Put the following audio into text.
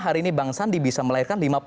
hari ini bang sandi bisa melahirkan lima puluh